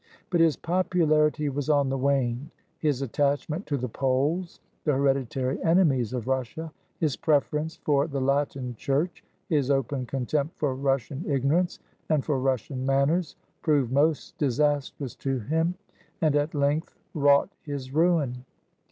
But his popularity was on the wane. His attachment to the Poles (the hereditary enemies of Russia), his preference for the Latin Church, his open contempt for Russian ignorance and for Russian manners, proved most disas trous to him, and at length wrought his ruin.